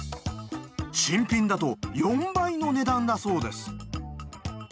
新品だと４倍の値段だそうです。